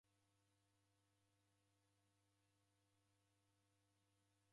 Waboilo ni kazi yape mbishi.